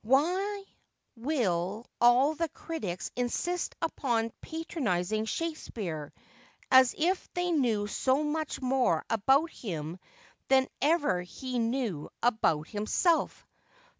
Why will all the critics insist upon patronising Shakespeare, as if they knew so much more about him than ever he knew about himself?